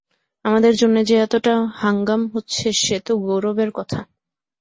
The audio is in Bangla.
আমাদের জন্যে যে এতটা হাঙ্গাম হচ্ছে সে তো গৌরবের কথা।